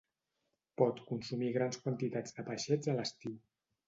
Pot consumir grans quantitats de peixets a l'estiu.